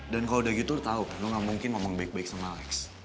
dan kalau udah gitu lo tahu lo enggak mungkin ngomong baik baik sama alex